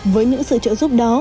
với những sự trợ giúp